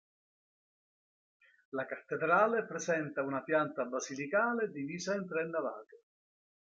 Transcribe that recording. La cattedrale presenta una pianta basilicale, divisa in tre navate.